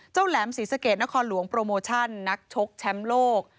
แหลมศรีสะเกดนครหลวงโปรโมชั่นนักชกแชมป์โลก